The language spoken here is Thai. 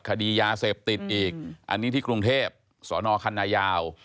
คดียาเสพติดอีกอันนี้ที่กรุงเทพสนคันนายาว